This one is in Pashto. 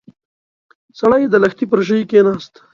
سړی د لښتي پر ژۍ کېناست.